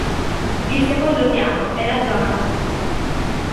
Il secondo piano è la zona notte.